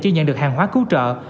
chưa nhận được hàng hóa cứu trợ